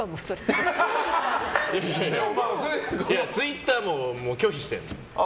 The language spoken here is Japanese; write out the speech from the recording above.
いや、ツイッターも拒否してるの。